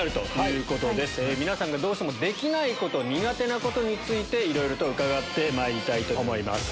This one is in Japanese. どうしてもできないこと苦手なことについていろいろと伺ってまいりたいと思います。